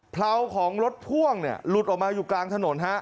เผาของรถพ่วงหลุดออกมาอยู่กลางถนนฮะ